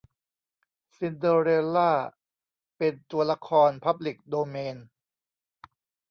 ซินเดอเรลล่า เป็นตัวละครพับลิกโดเมน